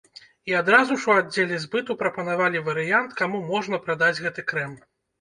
І адразу ж у аддзеле збыту прапанавалі варыянт, каму можна прадаць гэты крэм.